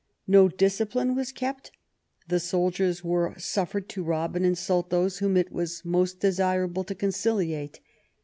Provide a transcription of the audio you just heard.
'^ No discipline was kept ; the soldiers were suffered to rob and insult those whom it was most desirable to conciliate.